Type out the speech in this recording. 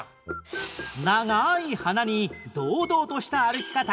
長い鼻に堂々とした歩き方